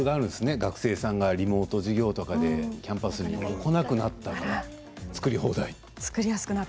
学生さんがリモート授業とかでキャンパスに来なくなったから作り放題。